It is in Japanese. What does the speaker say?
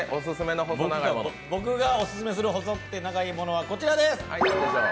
僕がオススメする細くて長いものはこちらです。